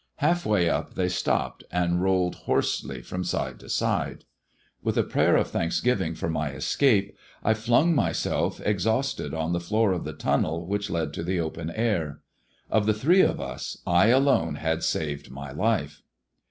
Half ay up they stopped, and rolled hoarsely from side to de. With a prayer of thanksgiving for my escape I flung lyself exhausted on the floor of the tunnel which led to le open air. Of the three of us I alone had saved ly life.